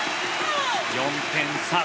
４点差。